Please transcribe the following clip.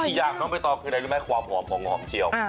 อีกอย่างน้องใบตองคืออะไรรู้ไหมความหอมของหอมเจียว